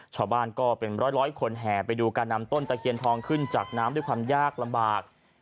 ชาวบ้านก็เป็นร้อยคนแห่ไปดูการนำต้นตะเคียนทองขึ้นจากน้ำด้วยความยากลำบาก